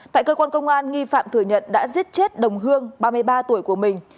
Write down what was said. tại cơ quan công an nghi phạm thừa nhận đã giết chết đồng hương ba mươi ba tuổi của mình